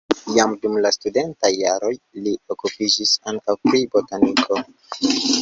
Jam dum la studentaj jaroj li okupiĝis ankaŭ pri botaniko.